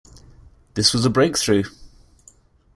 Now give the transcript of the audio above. This was a breakthrough.